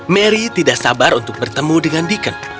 mary tidak sabar untuk bertemu dengan deacon